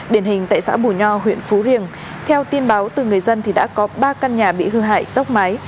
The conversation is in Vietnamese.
điển hình tại xã bù nho huyện phú riềng theo tin báo từ người dân thì đã có ba căn nhà bị hư hại tốc máy